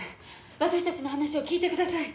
私たちの話を聞いてください。